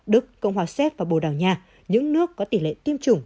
đức cộng hòa séc và bồ đào nha những nước có tỷ lệ tiêm chủng